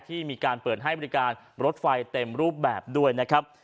ที่มีการเปิดให้บริการรถไฟเต็มรูปแบบด้วยนะครับ